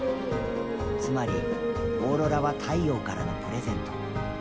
つまりオーロラは太陽からのプレゼント。